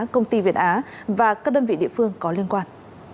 công ty việt á và các đơn vị địa phương có liên quan